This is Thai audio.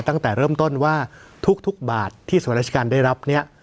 ตั้งแต่เริ่มต้นว่าทุกบาทที่ส่วนราชการได้รับเนี่ย